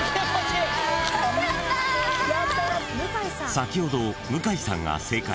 ［先ほど向井さんが正解した］